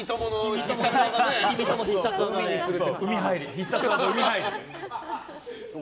必殺技、海入り。